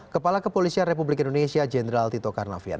kepala kepolisian republik indonesia jenderal tito karnavian